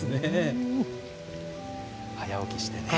早起きしてね。